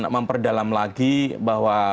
memperdalam lagi bahwa